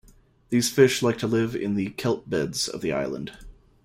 These fish like to live in the kelp beds of the island.